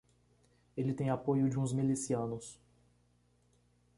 Ele tem apoio de uns milicianos.